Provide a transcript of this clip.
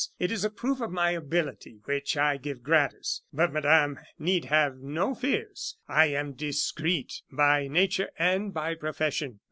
It is a proof of my ability, which I give, gratis. But Madame need have no fears. I am discreet by nature and by profession.